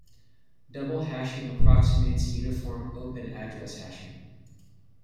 Double hashing approximates uniform open address hashing.